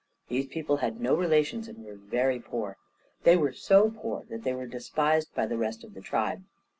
These people had no relations and were very poor. They were so poor that they were despised by the rest of the tribe.